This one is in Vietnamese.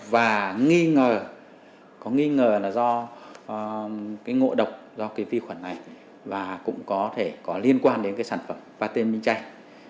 và có nghi ngờ do ngộ độc do vi khuẩn này và cũng có liên quan đến sản phẩm pate minchay